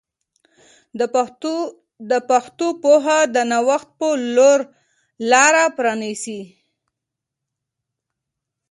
د پښتو پوهه د نوښت په لور لاره پرانیسي.